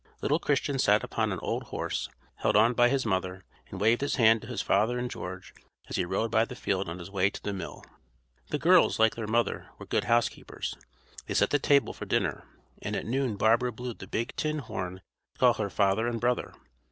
Little Christian sat upon an old horse, held on by his mother, and waved his hand to his father and George as he rode by the field on his way to the mill. The girls, like their mother, were good housekeepers. They set the table for dinner, and at noon Barbara blew the big tin horn to call her father and brother.